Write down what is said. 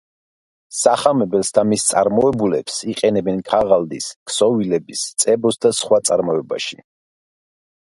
სახამებელს და მის წარმოებულებს იყენებენ ქაღალდის, ქსოვილების, წებოს და სხვა წარმოებაში.